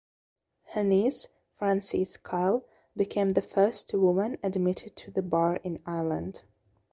Her niece Frances Kyle became the first woman admitted to the bar in Ireland.